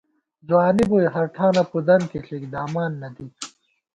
ځوانی بُوئی ، ہر ٹھانہ پُدم کی ݪِک، دامان نہ دِک